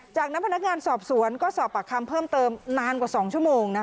จากนั้นพนักงานสอบสวนก็สอบปากคำเพิ่มเติมนานกว่า๒ชั่วโมง